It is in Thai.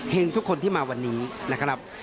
ทุกคนที่มาวันนี้นะครับ